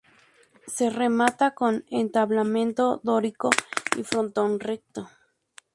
Se remata con entablamento dórico y frontón recto.